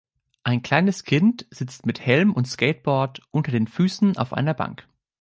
Ein kleines Kind sitzt mit Helm und Skateboard unter den Füßen auf einer Bank.